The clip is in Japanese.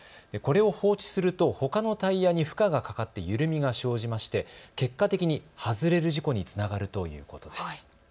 これを放置するとほかのタイヤに負荷がかかって緩みが生じまして結果的に外れる事故につながるということです。